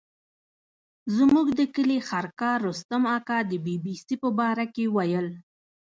زموږ د کلي خرکار رستم اکا د بي بي سي په باره کې ویل.